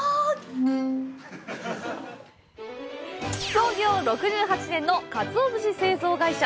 創業６８年のかつお節製造会社。